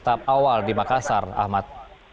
tahap awal di makassar ahmad